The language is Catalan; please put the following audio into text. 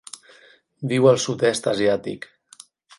Viu al sud-est asiàtic.